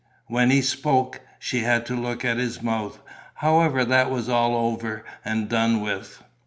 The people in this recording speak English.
When he spoke, she had to look at his mouth. However, that was all over and done with....